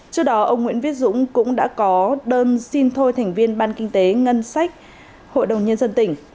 trước đó ông nguyễn viết dũng cũng đã có đơn xin thôi thành viên ban kinh tế ngân sách hội đồng nhân dân tỉnh